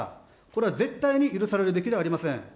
これは絶対に許されるべきではありません。